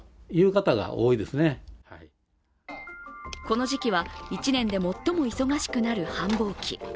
この時期は１年で最も忙しくなる繁忙期。